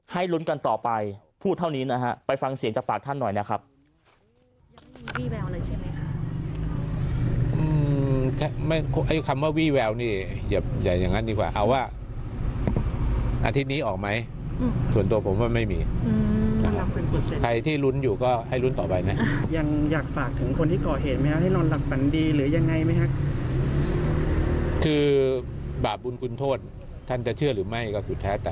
ลุ้นกันต่อไปพูดเท่านี้นะฮะไปฟังเสียงจากฝากท่านหน่อยนะครับ